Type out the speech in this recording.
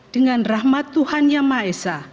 dengan rahmat tuhan yang maha esa